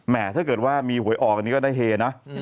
ถ้าเกิดว่ามีหวยออกอันนี้ก็ได้เฮนะ